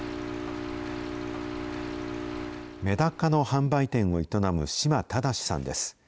メダカの販売店を営む島忠司さんです。